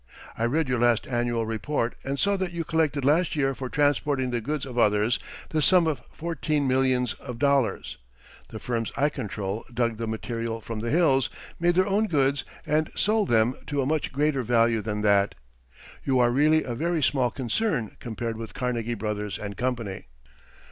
I read your last annual report and saw that you collected last year for transporting the goods of others the sum of fourteen millions of dollars. The firms I control dug the material from the hills, made their own goods, and sold them to a much greater value than that. You are really a very small concern compared with Carnegie Brothers and Company."